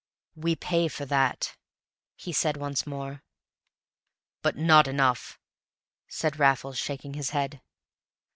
"We pay for that," he said once more. "But not enough," said Raffles, shaking his head.